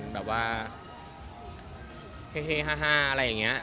แบบว่าเฮฮาอะไรอย่างนี้